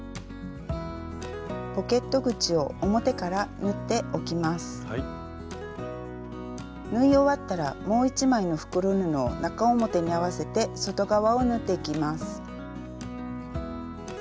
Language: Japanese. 縫い終わったらもう一枚の袋布を中表に合わせて外側を縫っていきます。